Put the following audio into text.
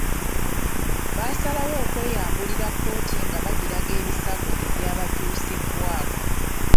Baasalawo okweyambulira kkooti nga bagiraga ebisago ebyabatuusibwako.